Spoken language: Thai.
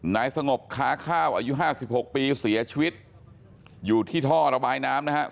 นายสงบค้าข้าวอายุ๕๖ปีเสียชีวิตอยู่ที่ท่อระบายน้ำนะครับ